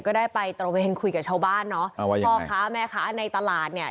ก็ได้ไปตระเวนคุยกับชาวบ้านเนาะพ่อค้าแม่ค้าในตลาดเนี่ย